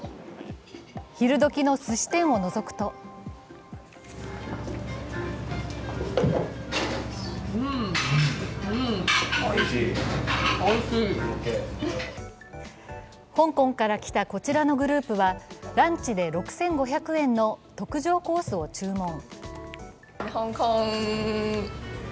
昼どきのすし店をのぞくと香港から来たこちらのグループは、ランチで６５００円の特上コースを注文。